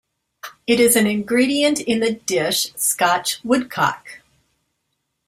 It is an ingredient in the dish Scotch woodcock.